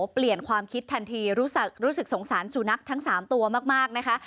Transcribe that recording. เปลี่ยนความคิดทันทีรู้สึกสงสารสุนัขทั้ง๓ตัวมากนะคะ